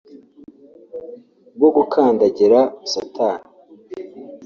bwo gukandagira Satani